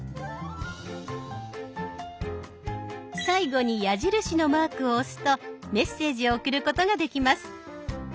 最後に矢印のマークを押すとメッセージを送ることができます。